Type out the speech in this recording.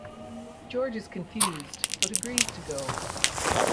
George is confused but agrees to go.